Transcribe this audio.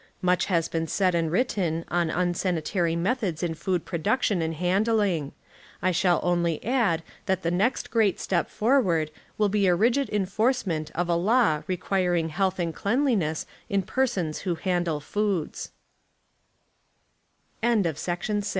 Much has been said and written on un sanitary methods in food production and handling; I shall only add that the next great step forward will be a rigid enforcement of a law requiring health and cleanliness in per